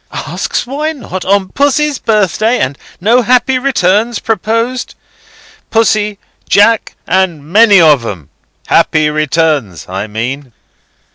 "Asks why not, on Pussy's birthday, and no Happy returns proposed! Pussy, Jack, and many of 'em! Happy returns, I mean."